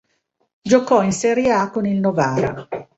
Giocò in Serie A con il Novara.